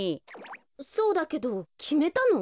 そうだけどきめたの？